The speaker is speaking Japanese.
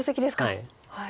はい。